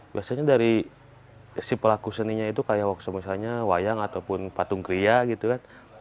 biasanya dari si pelaku seninya itu kayak workshop misalnya wayang ataupun patung kriya gitu kan